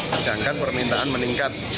sedangkan permintaan meningkat